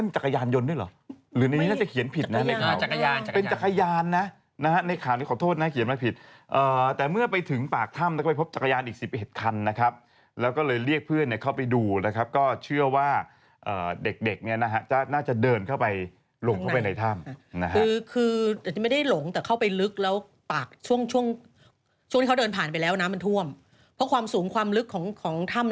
จักรยานนะฮะในข่าวนี้ขอโทษนะเขียนมาผิดแต่เมื่อไปถึงปากถ้ำแล้วก็ไปพบจักรยานอีก๑๑คันนะครับแล้วก็เลยเรียกเพื่อนเข้าไปดูนะครับก็เชื่อว่าเด็กเนี่ยนะฮะจะน่าจะเดินเข้าไปหลงเข้าไปในถ้ำคือไม่ได้หลงแต่เข้าไปลึกแล้วปากช่วงช่วงที่เขาเดินผ่านไปแล้วน้ำมันท่วมเพราะความสูงความลึกของถ้ำมัน